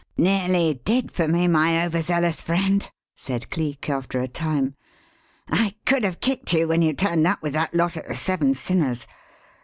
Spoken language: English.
"Nearly did for me, my overzealous friend," said Cleek, after a time. "I could have kicked you when you turned up with that lot at the Seven Sinners.